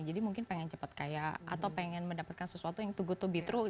jadi mungkin pengen cepat kaya atau pengen mendapatkan sesuatu yang to be true